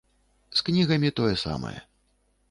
З кнігамі тое самае.